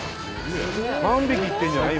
３匹いってんじゃない？